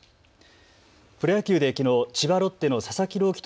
プロ野球できのう千葉ロッテの佐々木朗